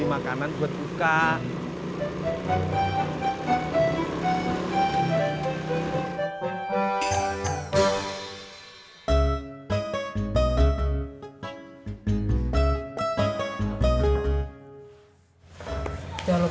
nah yang di hermite gue nstengin